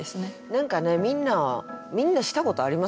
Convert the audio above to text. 何かねみんなみんなしたことありますもんね。